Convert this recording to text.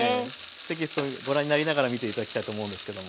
テキストご覧になりながら見て頂きたいと思うんですけども。